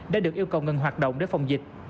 đã được yêu cầu ngừng hoạt động để phòng dịch